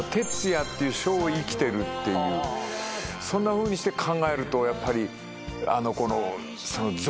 そんなふうにして考えるとやっぱりあのこのその「族」。